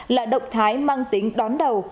là động thái mang tính đón đầu